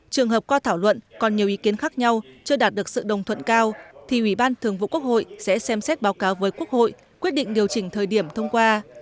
trường hợp qua thảo luận còn nhiều ý kiến khác nhau chưa đạt được sự đồng thuận cao thì ủy ban thường vụ quốc hội sẽ xem xét báo cáo với quốc hội quyết định điều chỉnh thời điểm thông qua